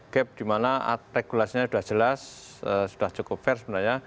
gap dimana regulasinya sudah jelas sudah cukup fair sebenarnya